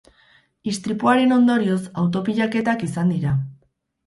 Istripuaren ondorioz auto-pilaketak izan dira.